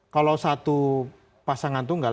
kalau satu pasangan tunggal